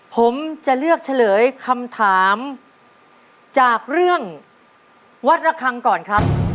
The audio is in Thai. ผมจะเลือกเฉลยคำถามจากเรื่องวัดระคังก่อนครับ